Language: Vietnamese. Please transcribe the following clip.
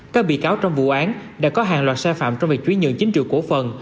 các bị cáo trong vụ án đã có hàng loạt sai phạm trong việc chuyển nhượng chính trị cổ phần